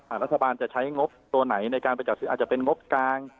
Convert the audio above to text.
รัฐบาลจะใช้งบตัวไหนในการไปจัดซื้ออาจจะเป็นงบกลาง